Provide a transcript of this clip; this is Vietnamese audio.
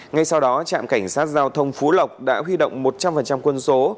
ngay sau đó trạm cảnh sát giao thông phú lộc đã huy động một trăm linh quân số